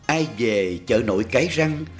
ai về chợ nổi cái răng